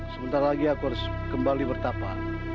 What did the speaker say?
sebentar lagi aku harus kembali bertapa